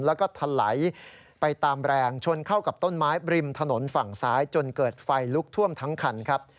แล้วก็ทะไหลไปตามแรงชนเข้ากับต้นไม้บริมถนนฝั่งซ้ายจนเกิดไฟลุกท่วมทั้งคันครับ